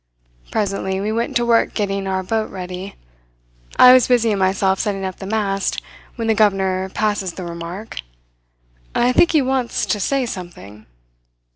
Presently we went to work getting our boat ready. I was busying myself setting up the mast, when the governor passes the remark: "'I think he wants to say something.'